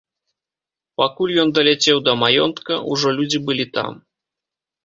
Пакуль ён даляцеў да маёнтка, ужо людзі былі там.